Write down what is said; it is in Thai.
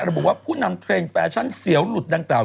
ระบุว่าผู้นำเทรนดแฟชั่นเสียวหลุดดังกล่าว